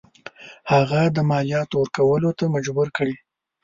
هغه د مالیاتو ورکولو ته مجبور کړي.